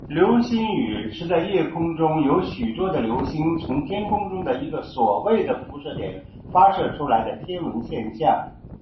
流星雨是在夜空中有许多的流星从天空中一个所谓的辐射点发射出来的天文现象。